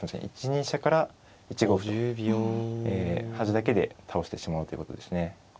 １二飛車から１五歩と端だけで倒してしまうということですね。